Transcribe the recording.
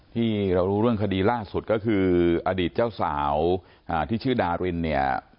ที่เรารู้เรื่องคดีล่าสุดก็คืออดีตเจ้าสาวที่ชื่อดารินเนี่ย